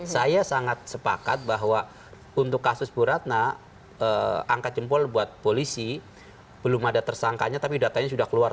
saya sangat sepakat bahwa untuk kasus bu ratna angka jempol buat polisi belum ada tersangkanya tapi datanya sudah keluar